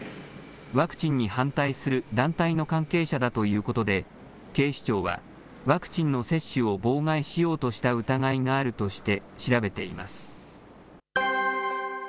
ワクチンに反対する団体の関係者だということで、警視庁は、ワクチンの接種を妨害しようとした疑いがあるとして調べています。